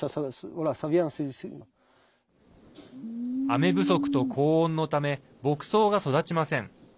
雨不足と高温のため牧草が育ちません。